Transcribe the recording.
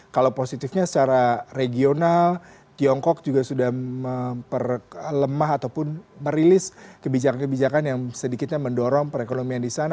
kalau positifnya secara regional tiongkok juga sudah memperlemah ataupun merilis kebijakan kebijakan yang sedikitnya mendorong perekonomian di sana